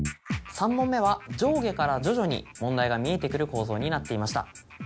３問目は上下から徐々に問題が見えてくる構造になっていました。